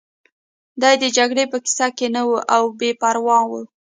دی د جګړې په کیسه کې نه و او بې پروا و